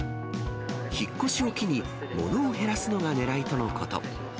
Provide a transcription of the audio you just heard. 引っ越しを機に、物を減らすのがねらいとのこと。